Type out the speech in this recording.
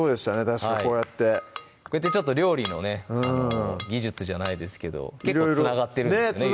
確かこうやってこうやって料理の技術じゃないですけど結構つながってるんですね